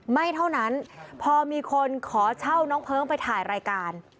ไม่เท่านั้นพอมีคนขอเช่าน้องเพลิงไปถ่ายรายการ